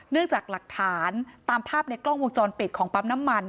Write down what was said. จากหลักฐานตามภาพในกล้องวงจรปิดของปั๊มน้ำมัน